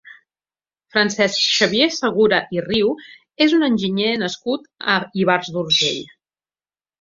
Francesc Xavier Segura i Riu és un enginyer nascut a Ivars d'Urgell.